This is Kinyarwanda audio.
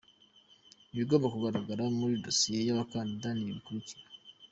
Ibigomba kugaragara muri dosiye z’abakandida ni ibi bikurikira:.